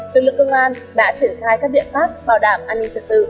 tư lực công an đã triển khai các biện pháp bảo đảm an ninh trật tự